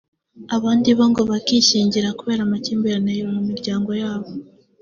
abandi bo ngo bakishyingira kubera amakimbirane mu miryango yabo